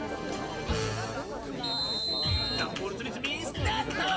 ダンボールつみつみスタート！